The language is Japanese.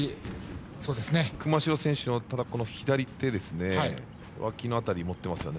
熊代選手の左手わきの辺り持っていますよね。